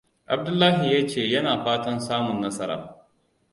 Abdullahi ya ce yana fatan samun nasara.